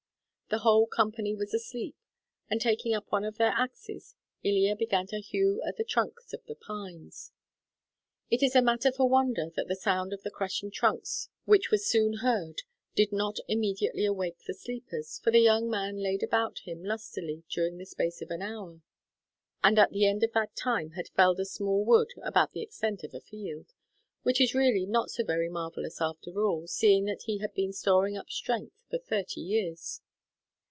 The whole company was asleep, and taking up one of their axes, Ilya began to hew at the trunks of the pines. It is a matter for wonder that the sound of the crashing trunks which was soon heard did not immediately awake the sleepers, for the young man laid about him lustily during the space of an hour, and at the end of that time had felled a small wood about the extent of a field; which is really not so very marvellous after all, seeing that he had been storing up strength for thirty years.